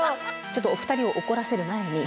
ちょっとお二人を怒らせる前に。